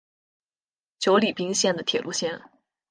久里滨线的铁路线。